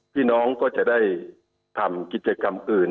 พี่น้องก็จะได้ทำกิจกรรมอื่น